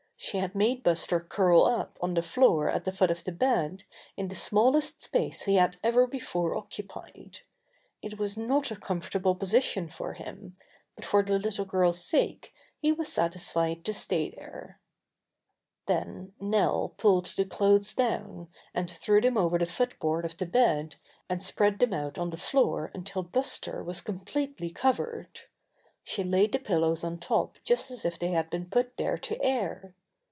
She had made Buster curl up on the floor at the foot of the bed in the smallest space he had ever before occupied. It was not a comfort able position for him, but for the little girl's sake he was satisfied to stay there. Then Nell pulled the clothes down, and threw them over the foot board of the bed and spread them out on the floor until Buster was completely covered. She laid the pillows on top just as if they had been put there to air.